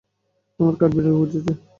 আমরা কাঠবিড়ালি, বুঝেছ?